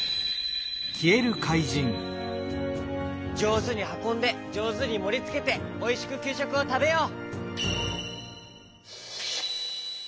じょうずにはこんでじょうずにもりつけておいしくきゅうしょくをたべよう！